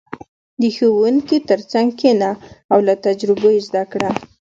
• د ښوونکي تر څنګ کښېنه او له تجربو یې زده کړه.